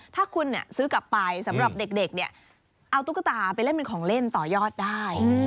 ถ้าคุณซื้อกลับไปสำหรับเด็กเนี่ยเอาตุ๊กตาไปเล่นเป็นของเล่นต่อยอดได้